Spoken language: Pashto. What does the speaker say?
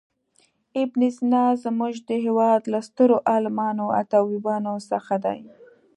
ابن سینا زموږ د هېواد له سترو عالمانو او طبیبانو څخه دی.